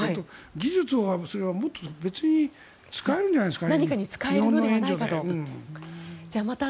技術をもっと別に使えるんじゃないですかね。